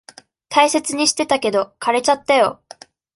大切にしてたけど、枯れちゃったよ。